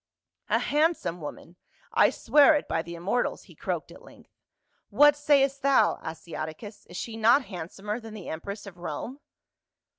" A handsome woman, I swear it by the immor tals," he croaked at length. "What sayest thou, Asiaticus ? Is she not handsomer than the empress of Rome